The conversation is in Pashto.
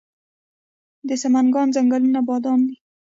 د سمنګان ځنګلونه بادام دي